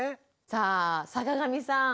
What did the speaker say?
さあ坂上さん。